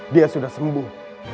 dia sudah sembuh